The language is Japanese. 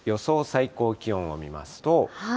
最高気温を見ますと。